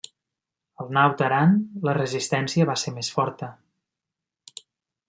Al Naut Aran la resistència va ser més forta.